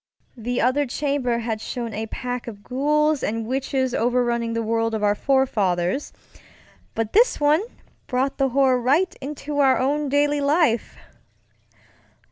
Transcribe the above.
The other chamber had shown a pack of ghouls and witches overrunning the world of our forefathers, but this one brought the horror right into our own daily life!